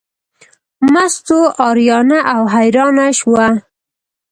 مستو اریانه او حیرانه شوه.